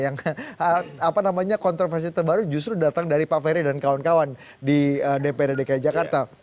yang apa namanya kontroversi terbaru justru datang dari pak ferry dan kawan kawan di dprd dki jakarta